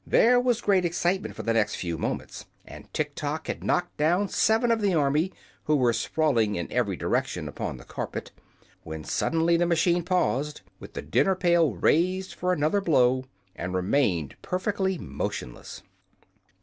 There was great excitement for the next few moments, and Tiktok had knocked down seven of the army, who were sprawling in every direction upon the carpet, when suddenly the machine paused, with the dinner pail raised for another blow, and remained perfectly motionless.